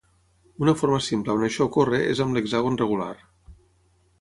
Una forma simple on això ocorre és amb l'hexàgon regular.